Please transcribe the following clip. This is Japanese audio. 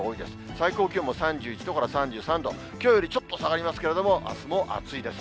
最高気温も３１度から３３度、きょうよりちょっと下がりますけれども、あすも暑いです。